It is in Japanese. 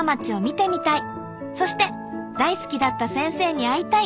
そして大好きだった先生に会いたい。